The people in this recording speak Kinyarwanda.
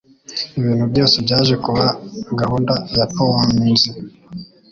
Ibintu byose byaje kuba gahunda ya Ponzi.